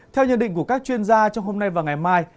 theo nhận định của các chuyên gia trong hôm nay và ngày mai